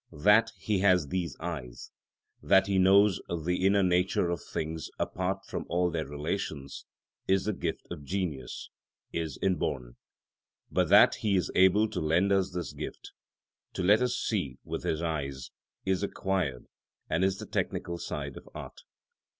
That he has these eyes, that he knows the inner nature of things apart from all their relations, is the gift of genius, is inborn; but that he is able to lend us this gift, to let us see with his eyes, is acquired, and is the technical side of art.